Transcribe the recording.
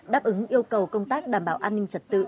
đáp ứng yêu cầu công tác đảm bảo an ninh trật tự